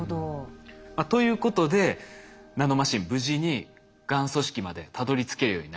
ということでナノマシン無事にがん組織までたどりつけるようになりました。